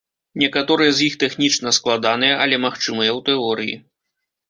Некаторыя з іх тэхнічна складаныя, але магчымыя ў тэорыі.